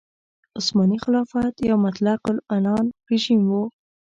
عثماني خلافت یو مطلق العنان رژیم و.